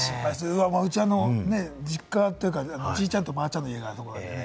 うち、実家というか、おじいちゃんとおばあちゃんの家があるんだよ。